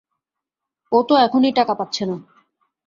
ও তো এখনই টাকা পাচ্ছে না।